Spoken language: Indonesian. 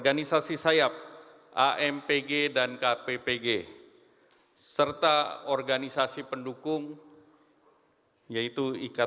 nanti kita akan lanjutkan satu segmen lagi begitu ya